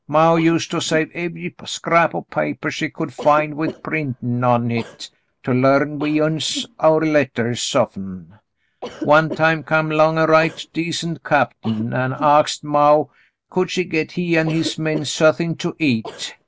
"Maw used to save ev'y scrap of papah she could find with printin' on hit to larn we uns our lettahs off 'n. One time come 'long a right decent captain and axed maw could she get he an' his men suthin' to eat.